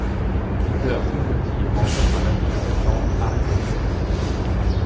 Peter Cincotti rencontre à l'âge de sept ans Harry Connick Jr.